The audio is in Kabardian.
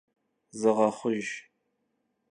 Zığexhujj!